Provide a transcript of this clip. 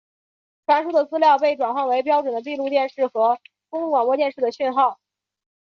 传输的资料被转换成标准的闭路电视和公共广播电视的讯号。